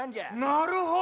なるほど！